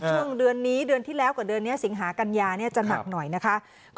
ช่วงเดือนนี้เดือนที่แล้วกับเดือนนี้สิงหากัญญาจะหนักหน่อยนะคะ